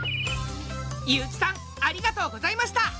悠木さんありがとうございました！